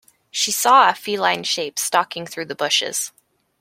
She saw a feline shape stalking through the bushes